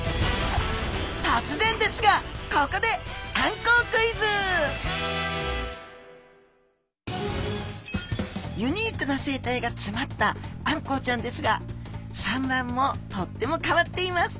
とつぜんですがここでユニークな生態がつまったあんこうちゃんですが産卵もとっても変わっています。